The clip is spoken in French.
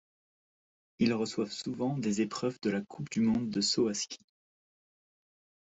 Ils reçoivent souvent des épreuves de la coupe du monde de saut à ski.